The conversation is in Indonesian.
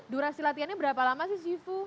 durasi latihannya berapa lama sih sifu